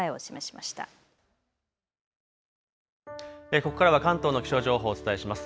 ここからは関東の気象情報をお伝えします。